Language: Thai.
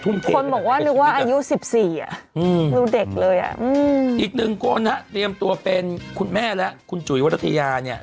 รู้เด็กเลยอ่ะอืมอีกหนึ่งคนนะเตรียมตัวเป็นคุณแม่และคุณจุ๋ยวรัฐยาเนี่ย